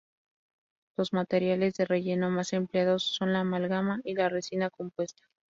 Los materiales de relleno más empleados son la amalgama y la resina compuesta.